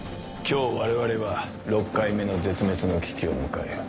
今日我々は６回目の絶滅の危機を迎える。